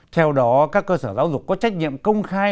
theo đó các cơ sở giáo dục có trách nhiệm công khai